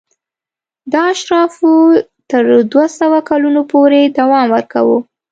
دا اشرافو تر دوه سوه کلونو پورې دوام ورکاوه.